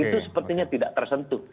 itu sepertinya tidak tersentuh